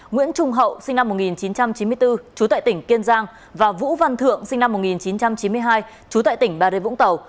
nguyễn trung hậu sinh năm một nghìn chín trăm chín mươi bốn trú tại tỉnh kiên giang và vũ văn thượng sinh năm một nghìn chín trăm chín mươi hai trú tại tỉnh bà rê vũng tàu